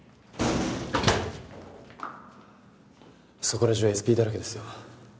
そこら中ＳＰだらけですよ。